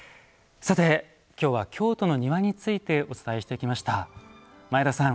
さて、きょうは「京都の庭」についてお伝えしてきました。